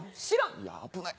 いや危ない。